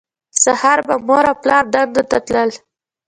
سهار به مور او پلار دندو ته تلل